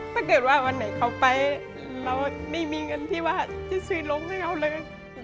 ถ้าเกิดว่าวันไหนเขาไปเราไม่มีเงินที่ว่าจะซื้อลงให้เขาเลย